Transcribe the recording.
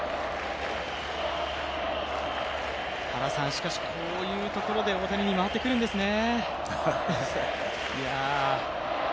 しかし、こういうところで大谷に回ってくるんですね。